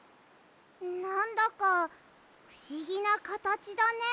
なんだかふしぎなかたちだね。